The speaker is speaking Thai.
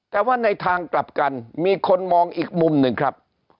แต่ว่าในทางกลับกันมีคนมองอีกมุมหนึ่งครับ